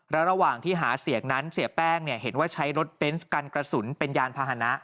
ระหว่างที่หาเสียงนั้นเสียแป้งเห็นว่าใช้รถเบนส์กันกระสุนเป็นยานพาหนะ